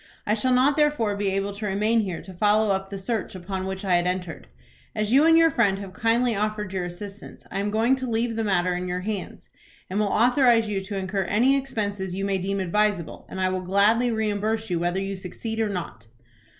I shall not therefore be able to remain here to follow up the search upon which I had entered. As you and your friend have kindly offered your assistance, I am going to leave the matter in your hands, and will authorize you to incur any expenses you may deem advisable, and I will gladly reimburse you whether you succeed or not."